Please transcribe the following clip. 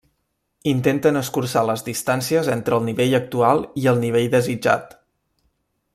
Intenten escurçar les distàncies entre el nivell actual i el nivell desitjat.